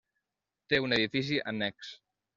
Té un edifici annex.